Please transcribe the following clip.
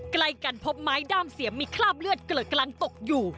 ใกล้กันพบไม้ด้ามเสียมมีคราบเลือดเกิดกำลังตกอยู่